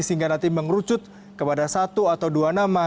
sehingga nanti mengerucut kepada satu atau dua nama